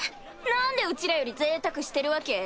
何でうちらより贅沢してるわけ？